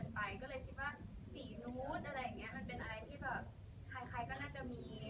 ฉาก็เลยคิดว่าสีนู๊ดมันเป็นอะไรที่แบบใครก็น่าจะมี